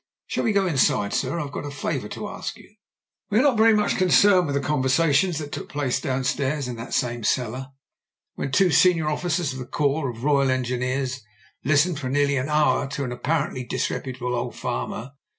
"Shall we go inside, sir? I've got a favour to ask you." We are not very much concerned with the conver sation that took place downstairs in that same cellar. 136 MEN, WOMEN AND GUNS when two senior officers of the corps of Rojral Engi neers listened for nearly an hour to an apparently disreputable old farmer.